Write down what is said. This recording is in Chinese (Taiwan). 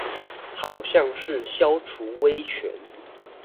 好像是消除威權